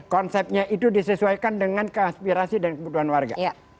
konsepnya itu disesuaikan dengan keaspirasi dan kebutuhan warga